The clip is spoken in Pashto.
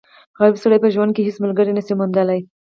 غریب سړی په ژوند کښي هيڅ ملګری نه سي موندلای.